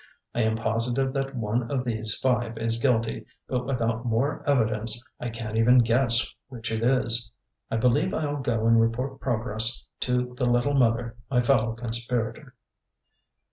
I am positive that one of these five is guilty, but without more evidence I can't even guess which it is. I believe I'll go and report progress to the Little Mother, my fellow conspirator."